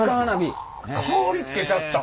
香りつけちゃった！？